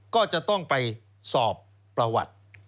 ก็จะต้องไปสอบประวัติ